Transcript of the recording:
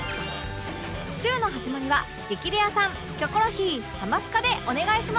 週の始まりは『激レアさん』『キョコロヒー』『ハマスカ』でお願いします